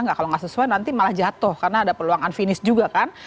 kalau kita nggak sesuai nanti malah jatuh karena ada peluangan finish juga kan